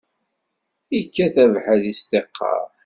Ikkat abeḥri s tiqqaṛ.